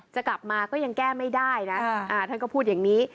จะกลับมาก็ยังแก้ไม่ได้นะท่านก็พูดอย่างนี้